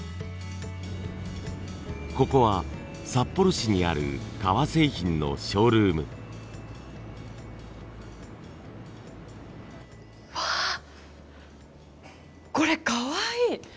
ここは札幌市にある革製品のショールーム。わこれかわいい。